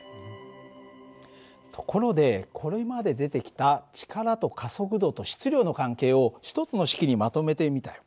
ところでこれまで出てきた力と加速度と質量の関係を１つの式にまとめてみたよ。